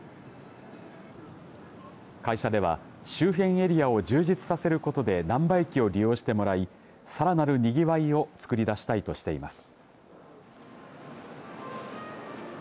会社では周辺エリアを充実させることでなんば駅を利用してもらいさらなるにぎわいをつくり出したいとしています。